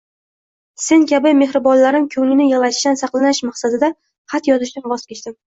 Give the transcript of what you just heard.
sen kabi mehribonlarim ko’nglini yig’latishdan saqlanish maqsadida xat yozishdan kechdim…